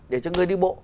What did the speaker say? để cho người đi bộ